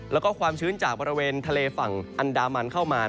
แล้วก็ความชื้นจากบริเวณทะเลฝั่งอันดามันเข้ามา